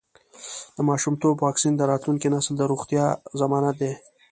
د ماشومتوب واکسین د راتلونکي نسل د روغتیا ضمانت دی.